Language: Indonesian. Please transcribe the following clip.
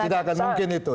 tidak akan mungkin itu